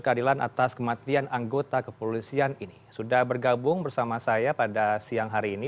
keadilan atas kematian anggota kepolisian ini sudah bergabung bersama saya pada siang hari ini